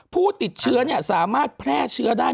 ผู้ติดเชื้อสามารถแพร่เชื้อได้